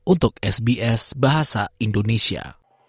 untuk sbs bahasa indonesia